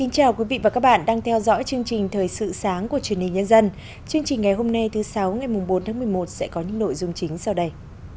chương trình ngày hôm nay thứ sáu ngày bốn tháng một mươi một sẽ có những nội dung chính sau đây